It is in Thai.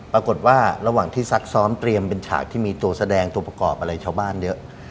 ปรากฏว่าระหว่างที่ซักซ้อมเตรียมเป็นฉากที่มีตัวแสดงตัวประกอบอะไรชาวบ้านเยอะ